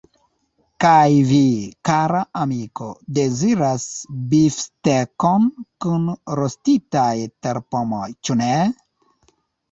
Kaj vi, kara amiko, deziras bifstekon kun rostitaj terpomoj, ĉu ne?